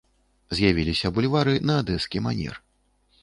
З'явіліся бульвары на адэскі манер.